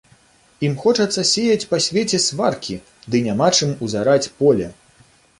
Ім хочацца сеяць па свеце сваркі, ды няма чым узараць поле.